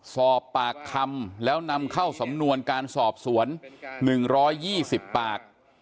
สอบปากคำแล้วนำเข้าสำนวนการสอบสวน๑๒๐ปาก